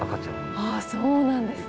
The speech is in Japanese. そうなんですね。